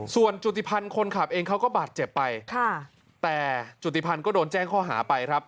ส่วนจุติพันธ์คนขับเองเขาก็บาดเจ็บไปค่ะแต่จุติพันธ์ก็โดนแจ้งข้อหาไปครับ